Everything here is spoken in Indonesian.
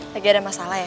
lagi ada masalah ya